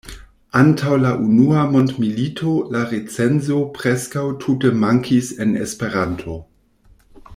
Antaŭ la unua mondmilito la recenzo preskaŭ tute mankis en Esperanto.